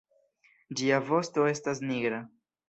Ĝia vosto estas nigra.